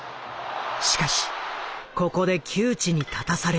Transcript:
しかしここで窮地に立たされる。